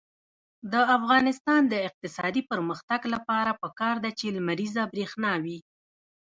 د افغانستان د اقتصادي پرمختګ لپاره پکار ده چې لمریزه برښنا وي.